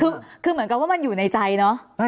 คือเหมือนกับว่ามันอยู่ในใจเนอะ